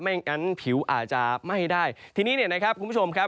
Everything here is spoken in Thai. อย่างนั้นผิวอาจจะไหม้ได้ทีนี้เนี่ยนะครับคุณผู้ชมครับ